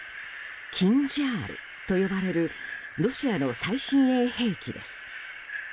「キンジャール」と呼ばれるロシアの最新鋭兵器です。